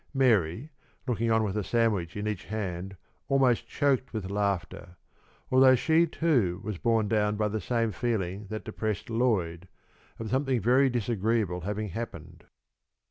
Mary, looking on with a sandwich in each hand, almost choked with laughter, although she, too, was borne down by the same feeling that depressed Lloyd, of something very disagreeable having happened.